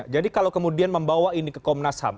jadi kalau kemudian membawa ini ke komnas ham